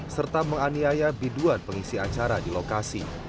serta menganiaya biduan pengisi acara di lokasi